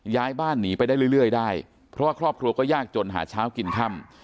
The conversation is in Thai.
ย้ายบ้านหนีไปได้เรื่อยได้เพราะว่าครอบครัวก็ยากจนหาเช้ากินค่ำ